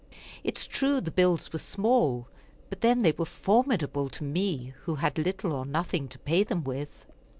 It is true, the bills were small, but then they were formidable to me, who had little or nothing to pay them with.